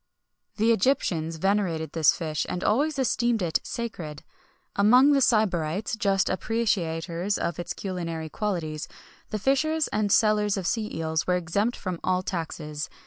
The Egyptians venerated this fish, and always esteemed it sacred.[XXI 72] Among the Sybarites, just appreciators of its culinary qualities, the fishers and sellers of sea eels were exempt from all taxes.